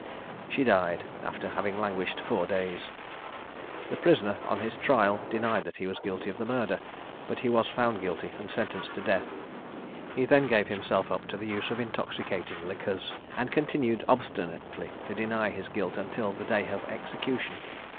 She died, after having languished four days. The prisoner, on his trial, denied that he was guilty of the murder; but he was found guilty and sentenced to death. He then gave himself up to the use of intoxicating liquors, and continued obstinately to deny his guilt until the day of execution.